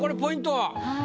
はい。